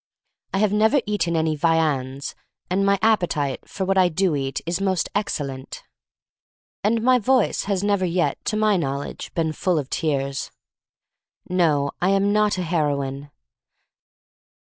I have never eatqn any viands, and my appetite for what I do eat is most excellent. And my voice has never THE STORY OF MARY MAC LANE I4I yet, to my knowledge, been full of tears. No, I am not a heroine.